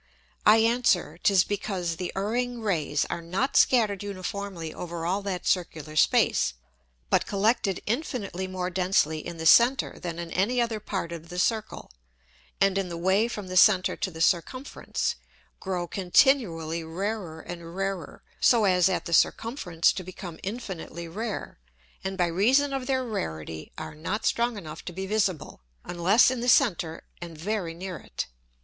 I answer, 'tis because the erring Rays are not scattered uniformly over all that Circular Space, but collected infinitely more densely in the Center than in any other Part of the Circle, and in the Way from the Center to the Circumference, grow continually rarer and rarer, so as at the Circumference to become infinitely rare; and by reason of their Rarity are not strong enough to be visible, unless in the Center and very near it.